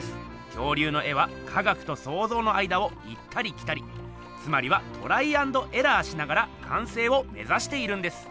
恐竜の絵は科学とそうぞうの間を行ったり来たりつまりはトライアンドエラーしながらかんせいを目ざしているんです。